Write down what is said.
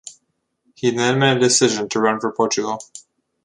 He then made a decision to run for Portugal.